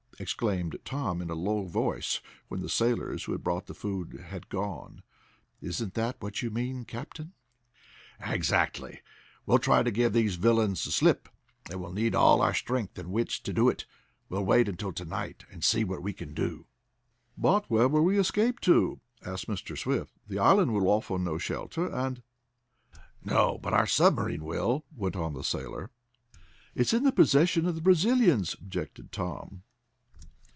exclaimed Tom in a low voice, when the sailors who had brought the food had gone. "Isn't that what you mean, captain?" "Exactly. We'll try to give these villains the slip, and we'll need all our strength and wits to do it. We'll wait until night, and see what we can do." "But where will we escape to?" asked Mr. Swift. "The island will afford no shelter, and " "No, but our submarine will," went on the sailor. "It's in the possession of the Brazilians," objected Tom.